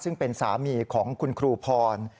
ซึ่งเป็นสามีของคุณครูพร